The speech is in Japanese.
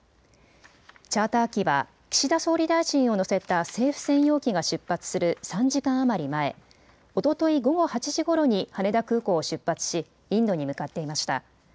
チャーター機は岸田総理大臣を乗せた政府専用機が出発する３時間余り前、おととい午後８時ごろに羽田空港を出発しインドに向かっていました。